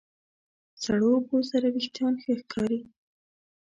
سړو اوبو سره وېښتيان ښه ښکاري.